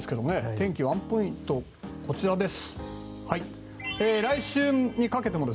天気ワンポイント、こちらです。